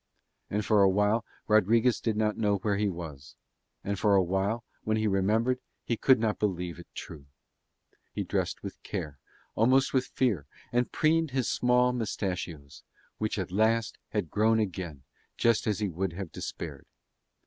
And for a while Rodriguez did not know where he was; and for a while, when he remembered, he could not believe it true. He dressed with care, almost with fear, and preened his small moustachios, which at last had grown again just when he would have despaired.